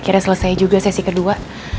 akhirnya selesai juga sesi kedua